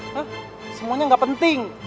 hah semuanya gak penting